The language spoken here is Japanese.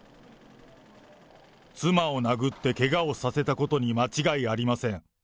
妻を殴ってけがをさせたことに間違いありません。